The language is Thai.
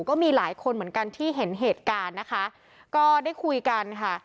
ก็มีหลายคนเหมือนกันที่เห็นเหตุการณ์นะคะก็ได้คุยกันค่ะ